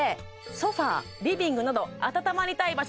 ソファリビングなど暖まりたい場所